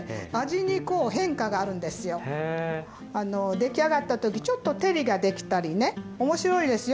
出来上がった時ちょっと照りができたりね面白いですよ